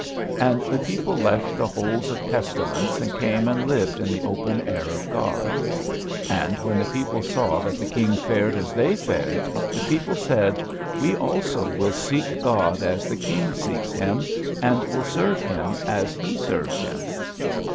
And the people left the holes of pestilence and came and lived in the open air of God. And when the people saw that the King fared as they fared, the people said, "We also will seek God as the King seeks Him, and will serve Him as he serves Him."